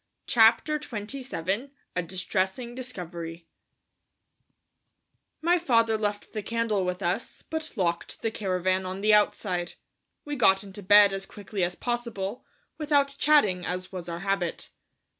CHAPTER XXVII A DISTRESSING DISCOVERY My father left the candle with us, but locked the caravan on the outside. We got into bed as quickly as possible, without chatting, as was our habit.